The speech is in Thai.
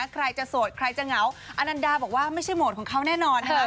ใครจะโสดใครจะเหงาอนันดาบอกว่าไม่ใช่โหมดของเขาแน่นอนนะคะ